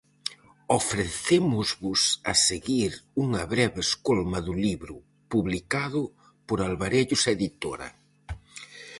Ofrecémosvos a seguir unha breve escolma do libro, publicado por Alvarellos Editora.